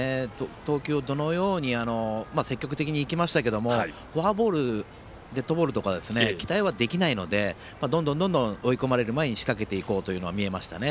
投球をどのように積極的にいきましたけどもフォアボールデッドボールとかは期待はできないのでどんどん追い込まれる前に仕掛けていこうというのは見えましたね。